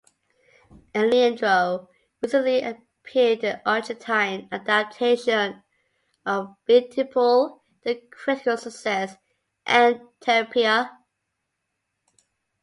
Aleandro recently appeared in the Argentine adaptation of "BeTipul", the critical success "En terapia".